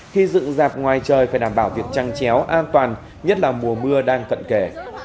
khi dựng dạp ngoài trời phải đảm bảo việc trăng chéo an toàn nhất là mùa mưa đang cận kề